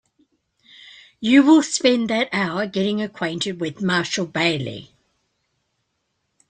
You will spend that hour getting acquainted with Marshall Bailey.